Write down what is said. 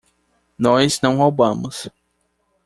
Nós não roubamos.